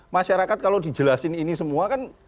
masyarakat kalau dijelasin ini semua kan